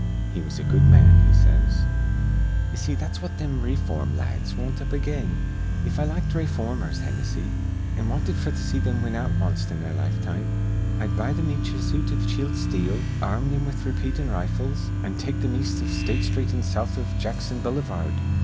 He was a good man,' he says. "Ye see, that's what thim rayform lads wint up again. If I liked rayformers, Hinnissy, an' wanted f'r to see thim win out wanst in their lifetime, I'd buy thim each a suit iv chilled steel, ar rm thim with raypeatin' rifles, an' take thim east iv State Sthreet an' south iv Jackson Bullyvard.